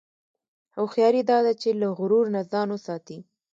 هوښیاري دا ده چې له غرور نه ځان وساتې.